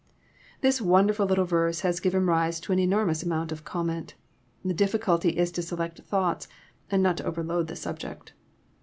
'] This wonderfdl little verse has given rise to an enormous amount of comment. The difficulty is to select thoughts, and not to overload the subject.